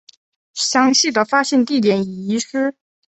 详细的发现地点已遗失。